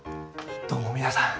どうも皆さん